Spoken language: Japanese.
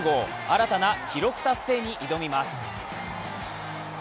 新たな記録達成に挑みます。